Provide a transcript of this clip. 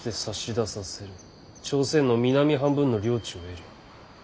朝鮮の南半分の領地を得る。